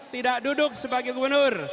tidak duduk sebagai gubernur